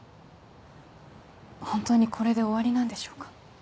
本当にこれで終わりなんでしょうか？